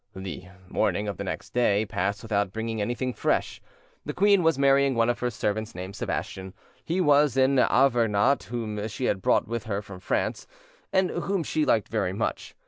The morning of the next day passed without bringing anything fresh. The queen was marrying one of her servants named Sebastian: he was an Auvergnat whom she had brought with her from France, and whom she liked very much.